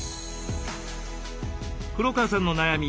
黒川さんの悩み